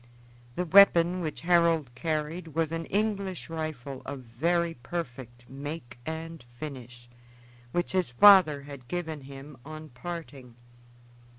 The weapon which Harold carried was an English rifle of very perfect make and finish, which his father had given him on parting.